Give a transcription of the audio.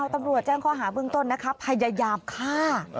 ตำรวจแจ้งข้อหาเบื้องต้นนะคะพยายามฆ่า